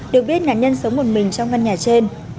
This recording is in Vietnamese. được biết nạn nhân sống một mình trong căn nhà trên